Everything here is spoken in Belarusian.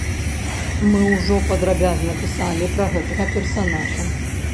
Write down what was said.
Мы ўжо падрабязна пісалі пра гэтага персанажа.